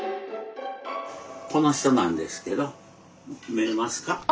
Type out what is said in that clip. この人なんですけど見えますか？